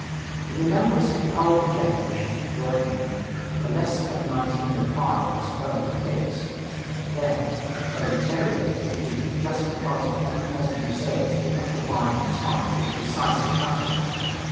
In the memories of the older generation of workingmen, the lesson of 1905 was firmly fixed; then, the proletariat was defeated just because the heavy peasant reserves did not arrive in time for the decisive battle.